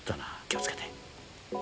気を付けて。